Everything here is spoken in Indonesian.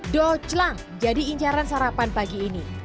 do celang jadi incaran sarapan pagi ini